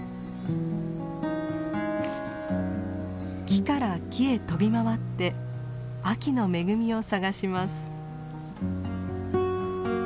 木から木へ飛び回って秋の恵みを探します。